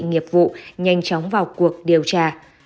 nghiệp vụ nhanh chóng vào cuộc điều tra